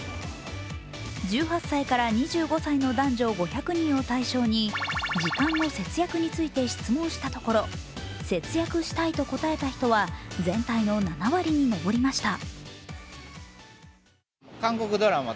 １８歳から２５歳の男女５００人を対象に時間の節約について質問したところ、節約したいと答えた人は、全体の７割に上りました。